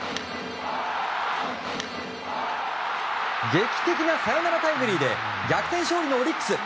劇的なサヨナラタイムリーで逆転勝利のオリックス。